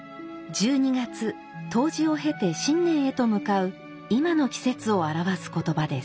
１２月冬至を経て新年へと向かう今の季節を表す言葉です。